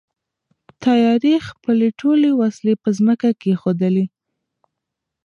تیارې خپلې ټولې وسلې په ځمکه کېښودلې.